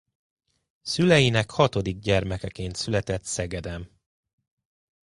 Szüleinek hatodik gyermekeként született Szegeden.